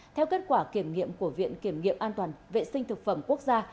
theo kết quả kiểm nghiệm của viện kiểm nghiệm an toàn vệ sinh thực phẩm quốc gia